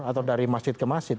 atau dari masjid ke masjid